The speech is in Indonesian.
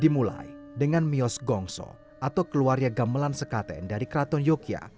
dimulai dengan mios gongso atau keluaria gamelan sekaten dari kraton jogja